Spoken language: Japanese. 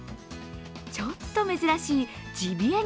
ちょっと珍しいジビエ